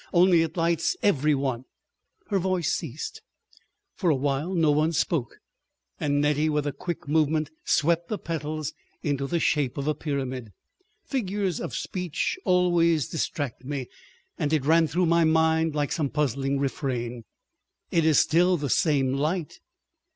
Only it lights every one!" Her voice ceased. For awhile no one spoke, and Nettie, with a quick movement, swept the petals into the shape of a pyramid. Figures of speech always distract me, and it ran through my mind like some puzzling refrain, "It is still the same light.